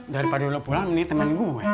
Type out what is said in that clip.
daripada pulang ini teman saya